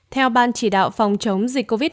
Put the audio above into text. theo ban chỉ đạo phòng chống dịch bệnh